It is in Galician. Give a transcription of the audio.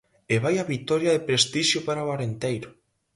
E vaia vitoria de prestixio para o Arenteiro.